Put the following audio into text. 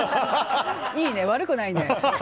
いいね、悪くないね。